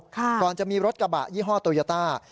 ก่อนจะมีรถกระบะยี่ห้อโตยาต้า